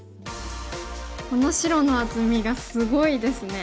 この白の厚みがすごいですね。